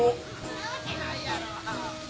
んなわけないやろ！